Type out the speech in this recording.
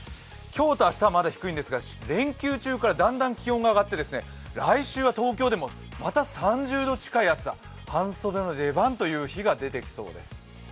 今日と明日はまだ低いんですが、連休中からだんだん上がって来週は東京でもまた３０度近い暑さ半袖の出番という日が出てきそうです。